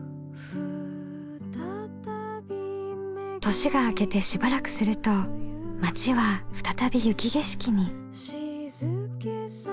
年が明けてしばらくすると町は再び雪景色に。